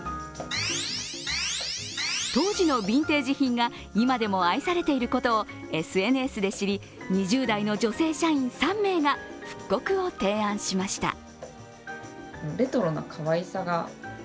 当時のビンテージ品が今でも愛されていることをＳＮＳで知り２０代の女性社員３名が復刻を提案しました。